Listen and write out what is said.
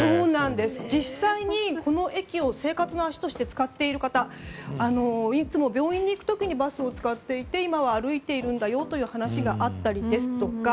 実際にこの駅を生活の足として使っている方いつも病院に行く時にバスを使っていて今は歩いているんだよという話があったりですとか